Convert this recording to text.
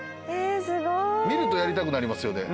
見るとやりたくなりますよね。